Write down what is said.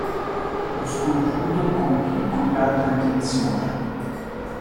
Lo sconosciuto compì con grande attenzione.